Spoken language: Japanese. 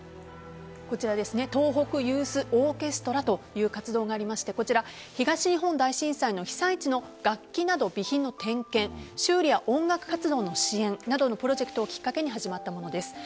東北ユースオーケストラという活動がありまして東日本大震災の被災地の楽器など備品の点検修理や音楽活動の支援などのプロジェクトをきっかけに始まったものです。